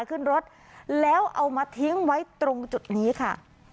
ขึ้นรถแล้วเอามาทิ้งไว้ตรงจุดนี้ค่ะ